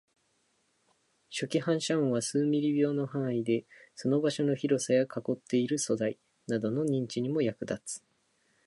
初期反射音は数ミリ秒の範囲で、その場所の広さや囲っている素材などの認知にも役立つ